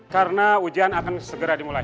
karena ujian akan segera dimulai